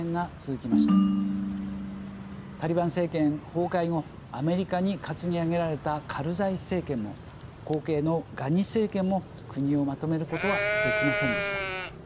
タリバン政権崩壊後アメリカに担ぎ上げられたカルザイ政権も後継のガニ政権も国をまとめることはできませんでした。